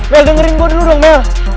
mel dengerin gue dulu dong mel